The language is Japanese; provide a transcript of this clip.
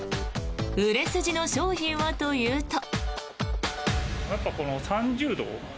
売れ筋の商品はというと。